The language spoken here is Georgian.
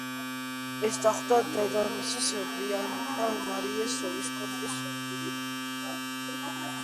ეს დახვედრა დედამისის, ბიანკა მარია ვისკონტის ორგანიზებული იყო, რომელიც გააფთრებით იცავდა თავისი ვაჟის ტახტს.